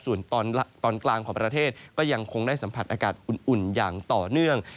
ส่วนตอนกลางของประเทศก็ยังคงได้สัมผัสอากาศอุ่นอย่างต่อเนื่อง